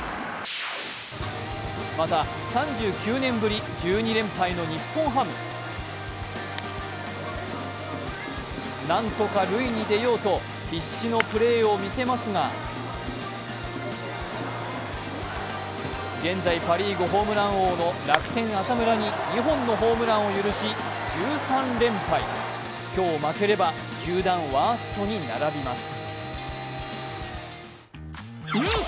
また、３９年ぶり、１２連敗の日本ハム。なんとか塁に出ようと必死のプレーを見せますが現在、パ・リーグホームラン王の楽天・浅村に２本のホームランを許し、１３連敗。今日負ければ球団ワーストに並びます。